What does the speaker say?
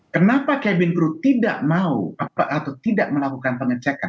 kenapa cabin group tidak mau atau tidak melakukan pengecekan